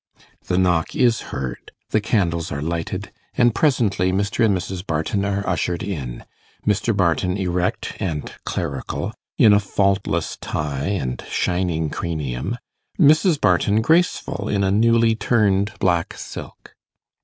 The knock is heard, the candles are lighted, and presently Mr. and Mrs. Barton are ushered in Mr. Barton erect and clerical, in a faultless tie and shining cranium; Mrs. Barton graceful in a newly turned black silk.